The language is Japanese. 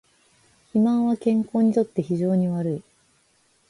肥満は健康にとって非常に悪い